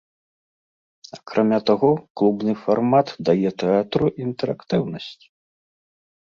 Акрамя таго, клубны фармат дае тэатру інтэрактыўнасць.